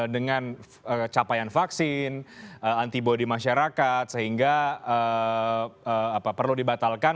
dengan capaian vaksin antibody masyarakat sehingga perlu dibatalkan